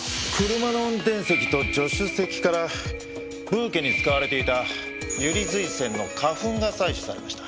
車の運転席と助手席からブーケに使われていたユリズイセンの花粉が採取されました。